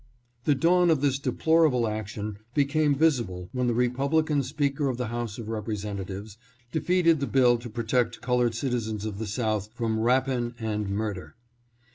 The dawn of this deplorable action became visible when the Republican Speaker of the House of Representa tives defeated the bill to protect colored citizens of the South from rapine and murder.